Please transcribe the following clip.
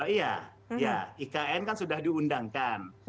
iya ikn kan sudah diundangkan